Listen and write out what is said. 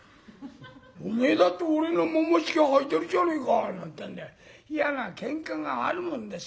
「おめえだって俺のももひきはいてるじゃねえか」なんてんで嫌な喧嘩があるもんですけれども。